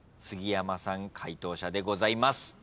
杉山さん解答者でございます。